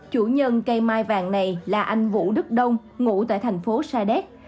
chủ nhân cây mai vàng này là anh vũ đức đông ngụ tại thành phố sa đéc